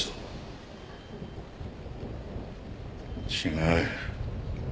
違う。